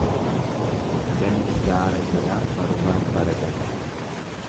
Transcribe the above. Gandi gaara jalaa, barumaan bara jala.